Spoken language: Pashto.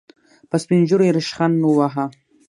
په سپين ږيرو يې ريشخند وواهه.